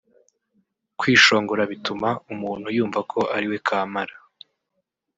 Kwishongora bituma umuntu yumva ko ariwe kamara